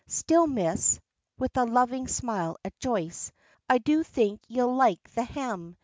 Still, Miss," with a loving smile at Joyce, "I do think ye'll like the ham.